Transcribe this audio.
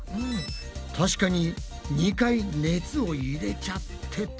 確かに２回熱を入れちゃってた。